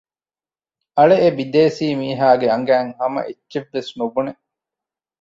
އަޅެ އެބިދޭސީ މިހާގެ އަނގައިން ހަމައެއްޗެއްވެސް ނުބުނެ